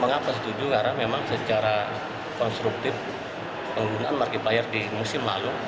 mengapa setuju karena memang secara konstruktif penggunaan markiplier di musim lalu